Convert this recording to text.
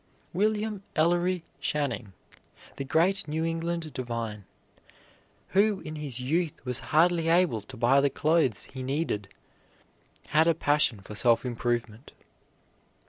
William Ellery Channing, the great New England divine, who in his youth was hardly able to buy the clothes he needed, had a passion for self improvement.